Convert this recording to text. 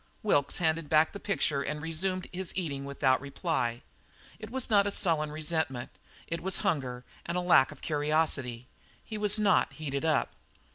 Wilkes handed back the picture and resumed his eating without reply. It was not a sullen resentment; it was hunger and a lack of curiosity. He was not "heated up."